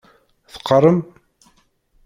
Teqqaṛem?